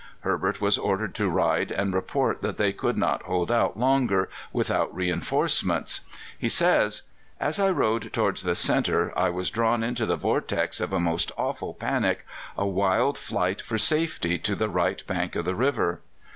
Herbert was ordered to ride and report that they could not hold out longer without reinforcements. He says: "As I rode towards the centre, I was drawn into the vortex of a most awful panic a wild flight for safety to the right bank of the river.